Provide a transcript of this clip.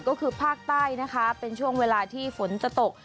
ก็คือภาคใต้นะคะเป็นช่วงเวลาที่ฝนจะตก